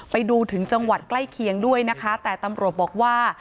ไปดูถึงจังหวัดใกล้เคียงด้วยนะคะแต่ตำรวจบอกว่า